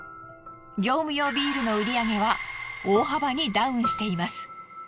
業務用ビールの売上は大幅にダウンしています。